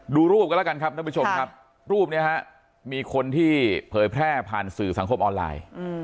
ดูรูปกันแล้วกันครับรูปนี้มีคนที่เผยแพร่ผ่านสื่อสังคมออนไลน์